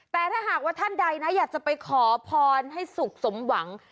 แต่ถ้าหากว่าท่านใดนะอยากจะไปขอพรให้สุขสมหวัง